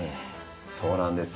そうなんですよ。